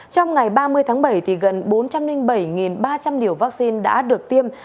trong ngày ba mươi tháng bảy gần bốn trăm linh bảy ba trăm linh liều vaccine đã được tiêm